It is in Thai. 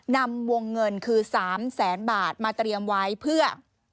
นำวงเงินคือ๓แสนบาทมาเตรียมไว้เพื่อ